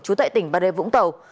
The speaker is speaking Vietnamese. chú tệ tỉnh bà rê vũng tàu